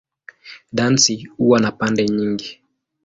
Dansi huwa na pande nyingi.